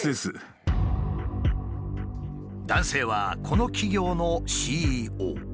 男性はこの企業のＣＥＯ。